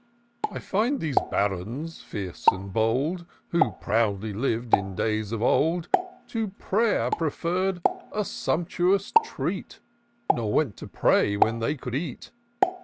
I find these Barons fierce and bold. Who proudly liv'd in days of old. 94 TOUR OF DOCTOR SYNTAX To pray*r preferr'd a sumptuous treat, Nor went to pray when they could eat.